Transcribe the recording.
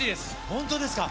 本当ですか？